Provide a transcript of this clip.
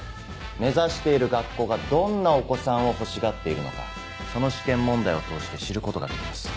目指している学校がどんなお子さんを欲しがっているのかその試験問題を通して知ることができます。